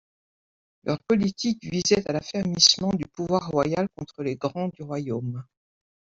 Leur politique visait à l'affermissement du pouvoir royal contre les Grands du royaume.